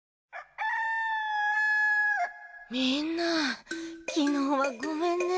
みんな昨日はごめんね。